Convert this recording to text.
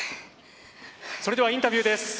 それではインタビューです。